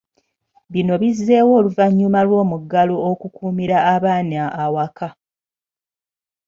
Bino bizewo oluvannyuma lw'omuggalo okukuumira abaana awaka.